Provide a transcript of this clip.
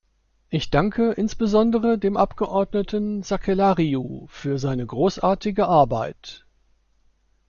Ich danke insbesondere dem Abgeordneten Sakellariou für seine großartige Arbeit.